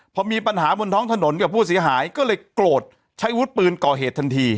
พอมีปัญหาบนท้องถนนกับผู้เสียหายก็เลยโกรธใช้วุฒิปืนก่อเหตุทันที